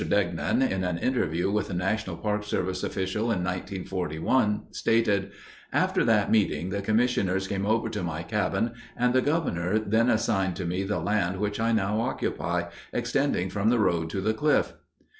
Degnan, in an interview with a National Park Service official in 1941, stated, "After that meeting the Commissioners came over to my cabin, and the Governor then assigned to me the land which I now occupy, extending from the road to the cliff."